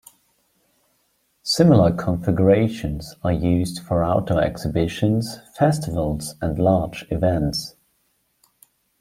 Similar configurations are used for outdoor exhibitions, festivals and large events.